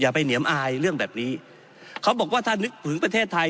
แบบนี้เขาบอกว่าถ้านึกถึงประเทศไทย